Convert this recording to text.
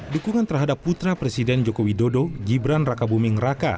dukungan terhadap putra presiden joko widodo gibran rakabuming raka